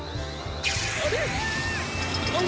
あれ？